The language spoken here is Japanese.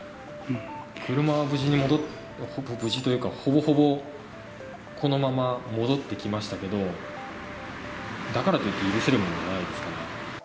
車は無事に、ほぼ無事にというか、ほぼほぼこのまま戻ってきましたけど、だからといって許せるものじゃないですから。